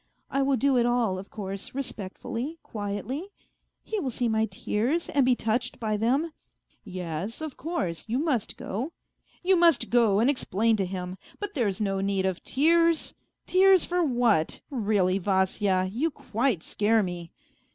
I will do it all, of course, respectfully, quietly ; he will see my tears and be touched by them. ..."" Yes, of course, you must go, you must go and explain to him. ... But there's no need of tears ! Tears for what ? Really, Vasya, you quite scare me."